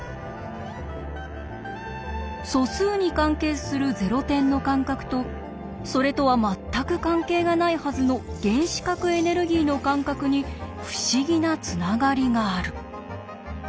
素数に関係するゼロ点の間隔とそれとは全く関係がないはずの原子核エネルギーの間隔に不思議なつながりがある。